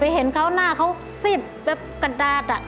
ไปเห็นเขาหน้าเขาสิบกระดาษ